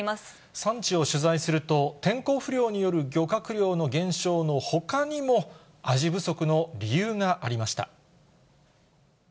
産地を取材すると、天候不良による漁獲量の減少のほかにも、アジ不足の理由がありました。